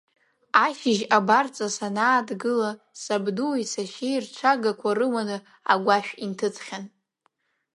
Ашьыжь абарҵа санаақәгыла, сабдуи сашьеи рҽагақәа рыманы агәашә инҭыҵхьан.